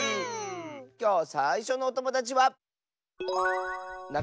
きょうさいしょのおともだちは。